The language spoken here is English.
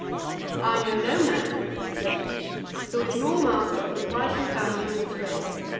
] 'I know no man, (said he,) who is more master of his wife and family than Thrale.